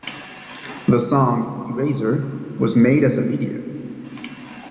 The song, "Eraser" was made as a video.